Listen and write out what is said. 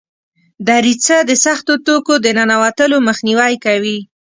دریڅه د سختو توکو د ننوتلو مخنیوی کوي.